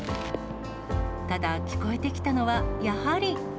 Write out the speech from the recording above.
ただ、聞こえてきたのはやはり。